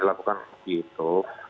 dia lakukan roky itu